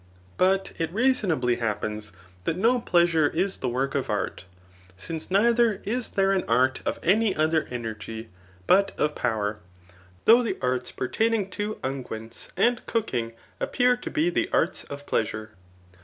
But it reasonably happens that no pleasure is the work of art ; since nei* ther is there an art of any other energy but of power j though the arts pertaining to unguents and cooking appear to be the arts of pleasure.